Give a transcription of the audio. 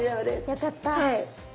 よかった。